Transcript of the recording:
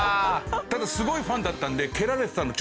ただすごいファンだったんで蹴られたの。